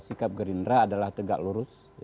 sikap gerindra adalah tegak lurus